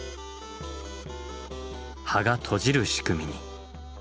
葉が閉じる仕組みに。